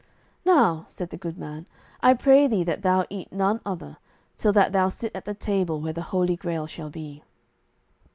"Now," said the good man, "I pray thee that thou eat none other, till that thou sit at the table where the Holy Grail shall be."